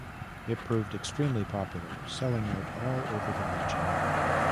It proved extremely popular, selling out all over the region.